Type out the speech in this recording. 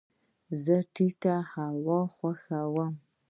زه د ټیټې هوا ارام خوښوم.